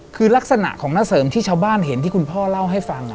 คือลักษณะของหน้าเสริมที่ชาวบ้านเห็นที่คุณพ่อเล่าให้ฟัง